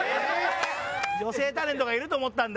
女性タレントがいると思ったんだ。